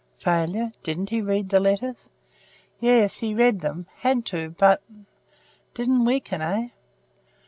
"Failure? Didn't he read the letters?" "Yes, he read them. Had to, but " "Didn't weaken? Eh?"